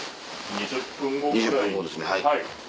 ２０分後ですねはい。